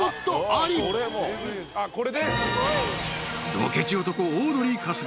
［ドケチ男オードリー春日。